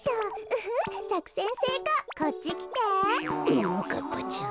ももかっぱちゃん